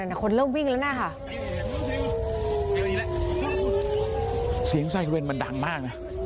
พวกมันกลับมาเมื่อเวลาที่สุดพวกมันกลับมาเมื่อเวลาที่สุด